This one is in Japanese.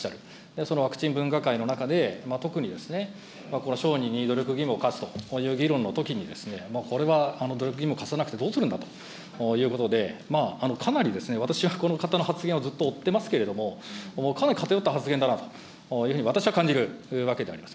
そのワクチン分科会の中で、特に、議論のときに、これは努力義務を課さなくてどうするんだということで、かなり私は、この方の発言をずっと追ってますけれども、かなり偏った発言だなというふうに私は感じるわけであります。